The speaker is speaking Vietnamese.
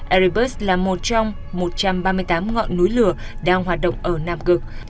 aribus là một trong một trăm ba mươi tám ngọn núi lửa đang hoạt động ở nam cực